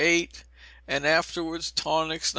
8, and afterwards tonics, No.